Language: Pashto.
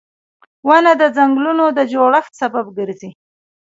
• ونه د ځنګلونو د جوړولو سبب ګرځي